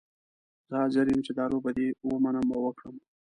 زه حاضره یم چې دا لوبه دې ومنم او وکړم.